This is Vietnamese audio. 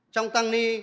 trong tăng ni